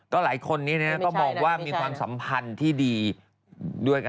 หลายคนนี้ก็มองว่ามีความสัมพันธ์ที่ดีด้วยกัน